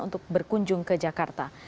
untuk berkunjung ke jakarta